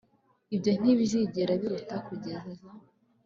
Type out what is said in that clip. ibyo ntibizigera bitura kugeza